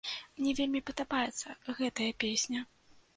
Мне вельмі падабаецца гэтая песня.